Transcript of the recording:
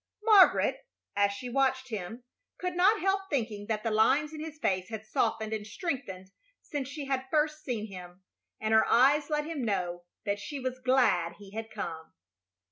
Margaret, as she watched him, could not help thinking that the lines in his face had softened and strengthened since she had first seen him, and her eyes let him know that she was glad he had come.